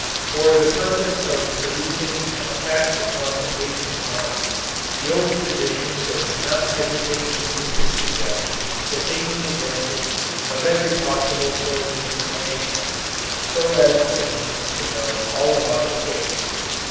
For the purpose of producing an effect upon the patient's mind, the old physician does not hesitate even to suggest the taking advantage of every possible source of information, so as to seem to know all about the case.